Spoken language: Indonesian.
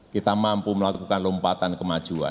kita mampu melakukan lompatan kemajuan